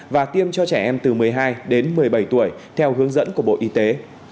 và tiêm cho trẻ em từ một mươi hai đến một mươi bảy tuổi theo hướng dẫn của bộ y tế